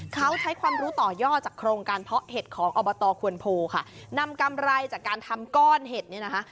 เขาใช้ความรู้ต่อย่อจากโครงการเพาะเห็ดของอบตควนโพค่ะนำกำไรจากการทำก้อนเห็ดเนี่ยนะคะ